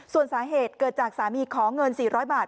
ส่วนสาเหตุเกิดจากสามีขอเงิน๔๐๐บาท